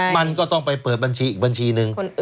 มันก็ต้องไปเปิดบัญชีอีกบัญชีนึง